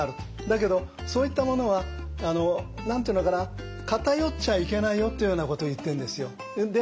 だけどそういったものは偏っちゃいけないよっていうようなことを言ってるんですよ。